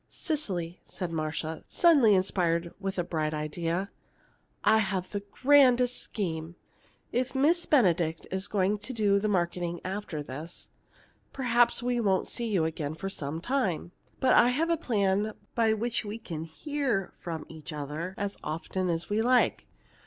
"Cecily," said Marcia, suddenly inspired with a bright idea. "I have the grandest scheme! If Miss Benedict is going to do the marketing after this, perhaps we won't see you again for some time. But I've a plan by which we can hear from each other as often as we like.